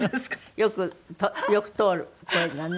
よくよく通る声がね。